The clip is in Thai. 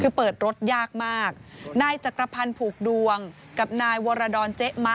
คือเปิดรถยากมากนายจักรพันธ์ผูกดวงกับนายวรดรเจ๊มะ